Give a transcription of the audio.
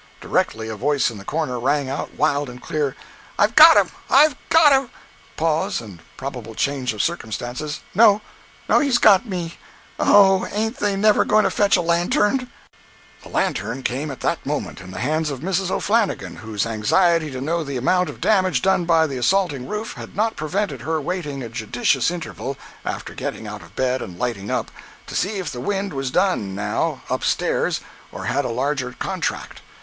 Directly a voice in the corner rang out wild and clear: "I've got him! I've got him!" [Pause, and probable change of circumstances.] "No, he's got me! Oh, ain't they never going to fetch a lantern!" 166.jpg (89K) The lantern came at that moment, in the hands of Mrs. O'Flannigan, whose anxiety to know the amount of damage done by the assaulting roof had not prevented her waiting a judicious interval, after getting out of bed and lighting up, to see if the wind was done, now, up stairs, or had a larger contract.